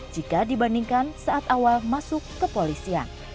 jika dibandingkan saat awal masuk ke polisian